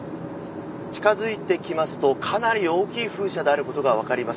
近づいてきますとかなり大きい風車である事がわかります。